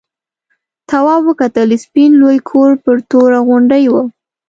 تواب وکتل سپین لوی کور پر توره غونډۍ و.